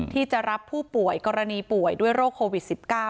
ที่จะรับผู้ป่วยกรณีป่วยด้วยโรคโควิด๑๙